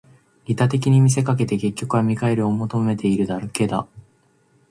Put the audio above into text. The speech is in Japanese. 利他的に見せかけて、結局は見返りを求めているだけだ